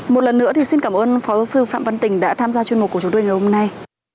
một lần nữa thì xin cảm ơn phó giáo sư phạm văn tình đã tham gia chuyên mục của chúng tôi ngày hôm nay